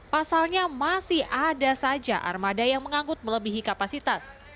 pasalnya masih ada saja armada yang menganggut melebihi kapasitas